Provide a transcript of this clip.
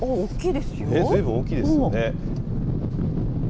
ずいぶん大きいですよね。